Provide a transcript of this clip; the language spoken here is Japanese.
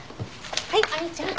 はい亜美ちゃん。